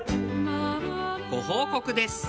ご報告です。